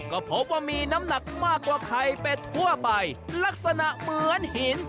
ก็พบว่ามีน้ำหนักมากกว่าไข่เป็ดทั่วไปลักษณะเหมือนหิน